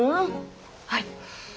はい。